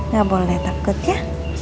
gak boleh takut ya